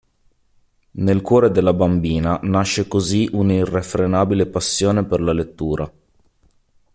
Nel cuore della bambina nasce così un'irrefrenabile passione per la lettura.